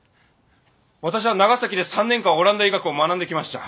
私は長崎で３年間オランダ医学を学んできました。